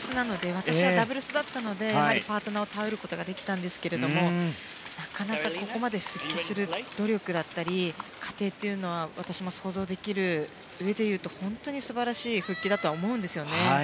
私はダブルスなのでパートナーを頼ることができましたがここまで復帰する努力だったり、過程は私も想像できるうえでいうと本当に素晴らしい復帰だとは思うんですよね。